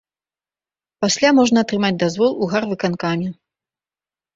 Пасля можна атрымаць дазвол у гарвыканкаме.